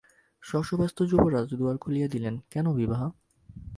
শশব্যস্ত যুবরাজ দুয়ার খুলিয়া দিলেন, কেন বিভা?